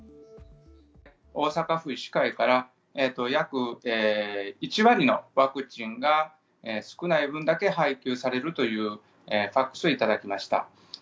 大阪府医師会から、約１割のワクチンが少ない分だけ配給されるというファックスを頂きました。